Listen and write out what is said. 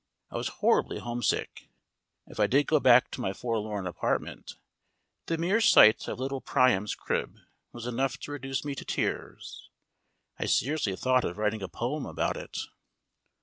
I was horribly homesick. If I did go back to my forlorn apartment, the mere sight of little Priam's crib was enough to reduce me to tears. I seriously thought of writing a poem about it.